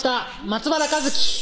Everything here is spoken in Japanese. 松原一起！